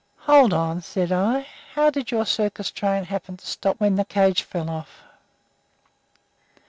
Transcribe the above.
"Hold on," said I; "how did your circus train happen to stop when the cage fell off?"